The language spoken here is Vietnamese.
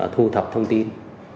thu thập thông tin